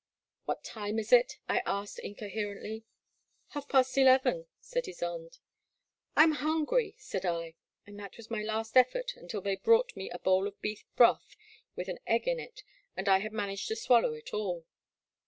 What time is it ?I asked, incoherently. Half past eleven,'* said Ysonde. I am hungry,*' said I, and that was my last effort until they brought me a bowl of beef broth with an ^%g in it, and I had managed to swallow it all.